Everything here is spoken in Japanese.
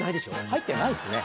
入ってないっすね。